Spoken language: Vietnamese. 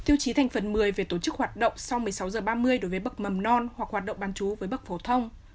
tiêu chí thành phần một mươi về tổ chức hoạt động sau một mươi sáu h ba mươi đối với bậc mầm non hoặc hoạt động bán chú với bậc phổ thông